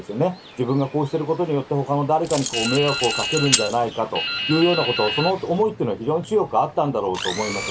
自分がこうしていることによって、ほかの誰かに迷惑をかけるんじゃないかというようなこと、その思いっていうのは非常に強くあったんだろうと思います。